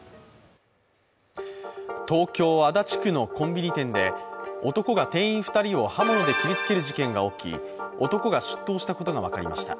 東京・足立区のコンビニ店で男が店員２人を刃物で切りつける事件が起き、男が出頭したことが分かりました。